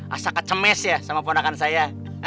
rasa kecemes ya sama ponakan saya